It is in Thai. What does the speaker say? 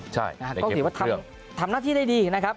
เมื่อกี่ว่าทำหน้าที่ได้ดีนะครับ